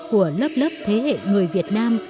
của lớp lớp thế hệ người việt nam